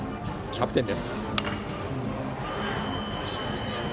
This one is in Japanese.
キャプテンです。